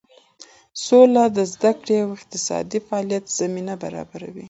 سوله د زده کړې او اقتصادي فعالیت زمینه برابروي.